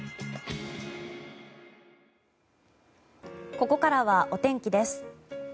ここからはお天気です。